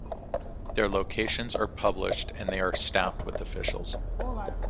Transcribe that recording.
Their locations are published and they are staffed with officials.